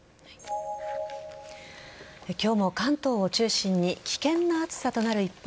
今日も関東を中心に危険な暑さとなる一方